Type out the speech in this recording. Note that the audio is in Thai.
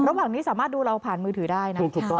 ระหว่างนี้สามารถดูเราผ่านมือถือได้นะถูกต้อง